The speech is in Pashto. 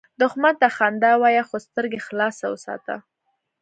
دښمن ته خندا وایه، خو سترګې خلاصه وساته